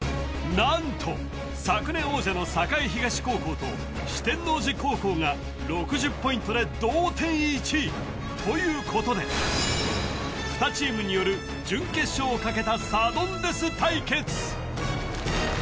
何と昨年王者の栄東高校と四天王寺高校が６０ポイントで同点１位ということで２チームによる・そんなことさあ